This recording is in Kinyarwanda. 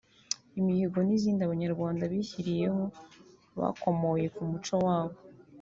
Imihigo n’izindi Abanyarwanda bishyiriyeho bakomoye mu muco wabo